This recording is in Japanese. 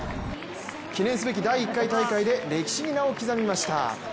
記念すべき第１回大会で歴史に名を刻みました。